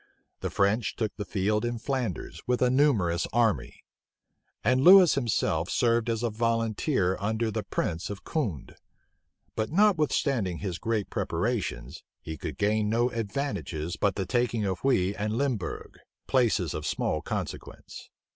The French took the field in Flanders with a numerous army; and Lewis himself served as a volunteer under the prince of Condé. But notwithstanding his great preparations, he could gain no advantages but the taking of Huy and Limbourg, places of small consequence.